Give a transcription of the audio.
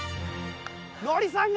ノリさんが！